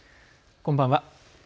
こんばんは。